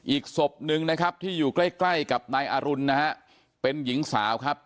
อีกศพหนึ่งนะครับที่อยู่ใกล้ใกล้กับนายอรุณนะฮะเป็นหญิงสาวครับ